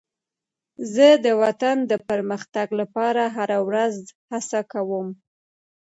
زه د وطن د پرمختګ لپاره هره ورځ هڅه کوم.